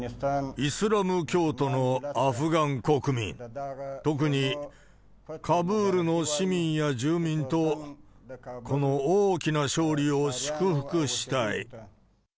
イスラム教徒のアフガン国民、特に、カブールの市民や住民とこの大きな勝利を祝福したい。